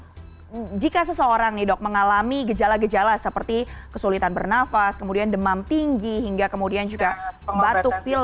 karena seseorang nih dok mengalami gejala gejala seperti kesulitan bernafas kemudian demam tinggi hingga kemudian juga batuk pilek